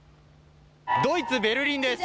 ドイツ・ベルリンです。